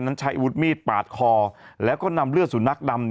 นั้นใช้อุดมีดปาดคอแล้วก็นำเลือดสู่นักดำ